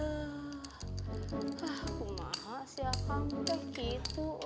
aku mahas ya kamu udah gitu